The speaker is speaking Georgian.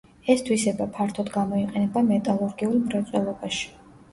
ეს თვისება ფართოდ გამოიყენება მეტალურგიულ მრეწველობაში.